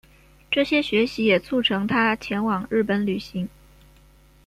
这些学习也促成他前往日本旅行。